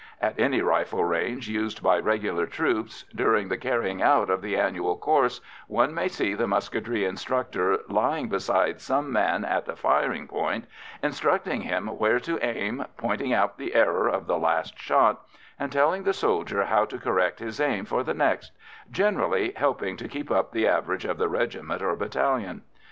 At any rifle range used by regular troops, during the carrying out of the annual course, one may see the musketry instructor lying beside some man at the firing point, instructing him where to aim, pointing out the error of the last shot, and telling the soldier how to correct his aim for the next generally helping to keep up the average of the regiment or battalion.